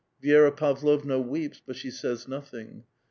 Vi6ra Pavlovna weeps, but she says nothing.